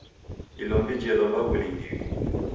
Ilombi jelomba w'ulindiri.